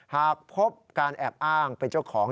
หากพบการแอบอ้างเป็นเจ้าของ